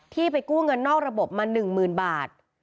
ที่ไปกู้เงินนอกระบบมาหนึ่งหมื่นบาท